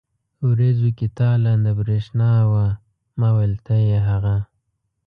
ورېځو کې تالنده برېښنا وه، ما وېل ته يې هغه.